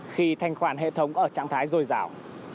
khi thanh khoản hệ thống ở trạng thái dồi dào